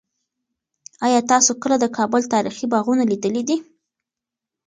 آیا تاسو کله د کابل تاریخي باغونه لیدلي دي؟